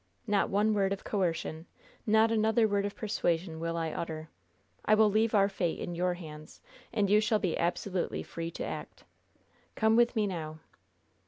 Not one word of coercion, not another word of persuasion, will I utter. I will leave our fate in your hands, and you shall be absolutely free to act. Come with me now."